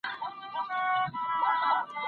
له ټولنیزو امتیازاتو بې برخي نه سې.